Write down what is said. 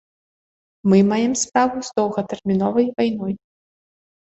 Мы маем справу з доўгатэрміновай вайной.